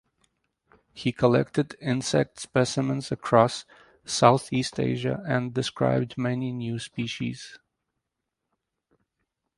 He collected insect specimens across Southeast Asia and described many new species.